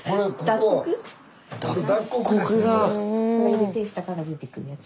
ここ入れて下から出てくるやつ。